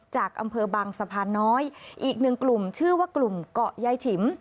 จากอำเภอบางสะพานน้อยอีกหนึ่งกลุ่มชื่อว่ากลุ่มเกาะยายฉิม